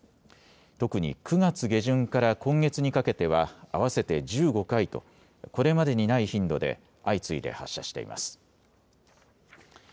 特に９月下旬から今月にかけては合わせて１５回とこれまでにない頻度で相次いで発射しています。